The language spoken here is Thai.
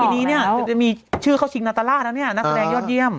น้าแสดงยอดเยี่ยม